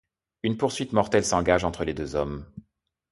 Une poursuite mortelle s'engage entre les deux hommes.